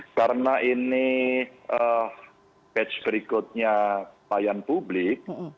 karena ini patch berikutnya pelayan publik